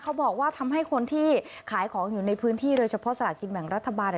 เขาบอกว่าทำให้คนที่ขายของอยู่ในพื้นที่โดยเฉพาะสลากินแบ่งรัฐบาล